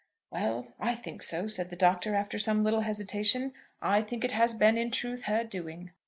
"Well, I think so," said the Doctor, after some little hesitation. "I think it has been, in truth, her doing.